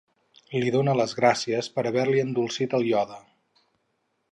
Li donà les gràcies per haver-li endolcit el iode.